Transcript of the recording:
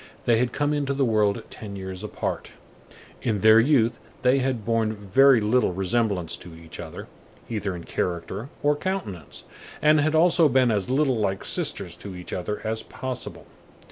They had come into the world ten years apart. In their youth they had borne very little resemblance to each other, either in character or countenance, and had also been as little like sisters to each other as possible.